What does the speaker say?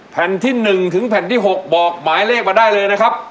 แผ่นที่๑ถึงแผ่นที่๖บอกหมายเลขมาได้เลยนะครับ